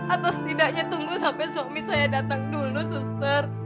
atau setidaknya tunggu sampai suami saya datang dulu suster